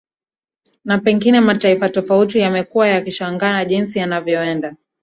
na pengine mataifa tofauti yamekuwa yakishagaa na jinsi anavyoenda